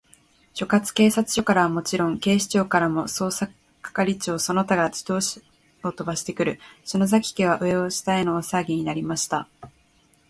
所轄警察署からはもちろん、警視庁からも、捜査係長その他が自動車をとばしてくる、篠崎家は、上を下への大さわぎになりました。